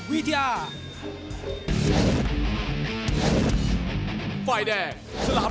สวัสดีครับ